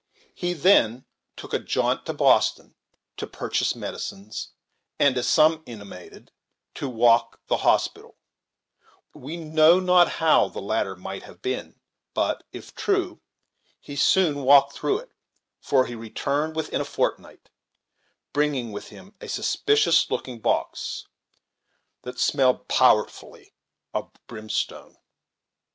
He then took a jaunt to Boston to purchase medicines, and, as some intimated, to walk the hospital; we know not how the latter might have been, but, if true, he soon walked through it, for he returned within a fortnight, bringing with him a suspicious looking box, that smelled powerfully of brimstone.